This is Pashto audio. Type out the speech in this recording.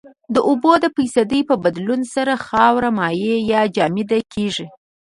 د اوبو د فیصدي په بدلون سره خاوره مایع یا جامد کیږي